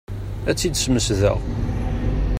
Ad tt-id-smesdeɣ.